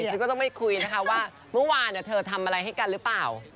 ใช่อย่าไปคุยนะคะว่ามื้อวานเธอทำอะไรให้กันรึเปล่า